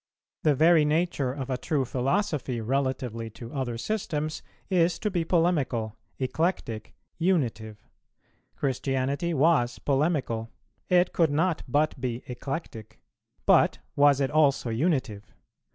The very nature of a true philosophy relatively to other systems is to be polemical, eclectic, unitive: Christianity was polemical; it could not but be eclectic; but was it also unitive?